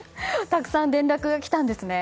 たくさん連絡来たんですね。